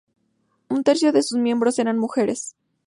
Un tercio de sus miembros eran mujeres.